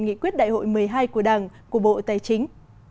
nghị quyết đại hội một mươi hai của đảng của bộ tài chính